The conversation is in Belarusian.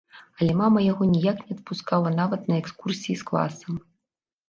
Але мама яго ніяк не адпускала нават на экскурсіі з класам.